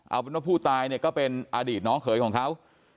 เอาเป็นว่าผู้ตายเนี่ยก็เป็นอดีตน้องเขยของเขา